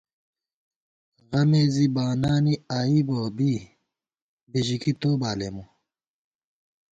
غمےزی بانانےآئیبہ بی، بِژِکی تو بالېمہ